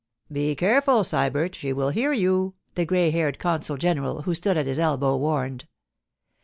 'Be careful, Sybert! She will hear you,' the grey haired consul general, who stood at his elbow, warned.